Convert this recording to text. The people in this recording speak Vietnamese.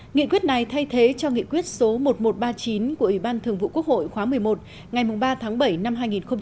nghị quyết này thay thế cho nghị quyết số một nghìn một trăm ba mươi chín của ủy ban thường vụ quốc hội khóa một mươi một ngày ba tháng bảy năm hai nghìn một mươi chín